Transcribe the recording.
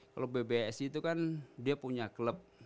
kalau bbsi itu kan dia punya klub